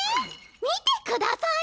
見てください！